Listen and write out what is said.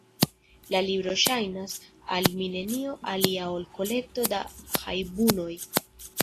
La libro ŝajnas al mi nenio alia ol kolekto da hajbunoj.